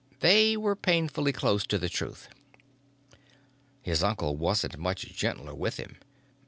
They were painfully close to the truth. His uncle wasn't much gentler with him.